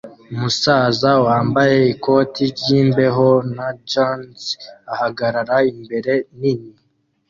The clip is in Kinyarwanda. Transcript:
Umusaza wambaye ikote ryimbeho na jans ahagarara imbere nini